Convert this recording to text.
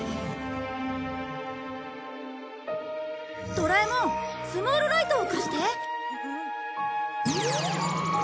ドラえもんスモールライトを貸して。